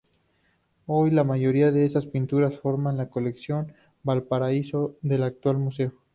Hoy la mayoría de esas pinturas forman la Colección Valparaíso del actual museo.